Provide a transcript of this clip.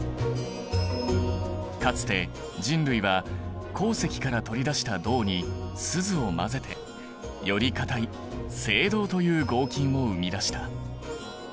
かつて人類は鉱石から取り出した銅にスズを混ぜてより硬い青銅という合金を生み出した。